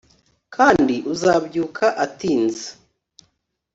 kandi uzabyuka atinze